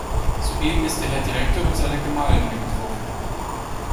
Soeben ist der Herr Direktor mit seiner Gemahlin eingetroffen.